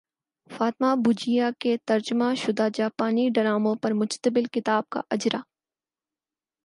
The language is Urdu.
فاطمہ بجیا کے ترجمہ شدہ جاپانی ڈراموں پر مشتمل کتاب کا اجراء